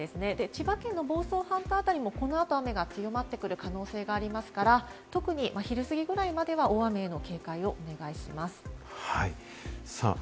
千葉県の房総半島あたりもこのあと雨が強まってくる可能性がありますから、特に昼すぎぐらいまでは大雨への警戒をお願いします。